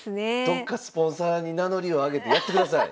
どっかスポンサーに名乗りを上げてやってください。